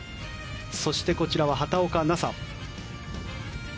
そして、こちらは畑岡奈紗。